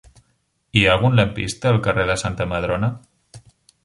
Hi ha algun lampista al carrer de Santa Madrona?